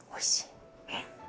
えっ？